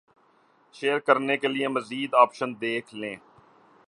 share کرنے کے لیے مزید آپشن دیکھ„یں